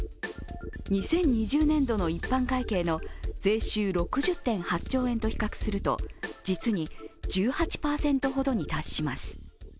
２０２０年度の一般会計の税収６０．８兆円と比較すると、実に１８％ほどに達します。